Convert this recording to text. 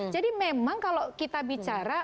jadi memang kalau kita bicara